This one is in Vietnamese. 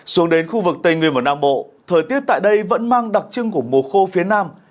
xuống đến khu vực tây nguyên và nam bộ thời tiết tại đây vẫn mang đặc trưng của mùa khô phía nam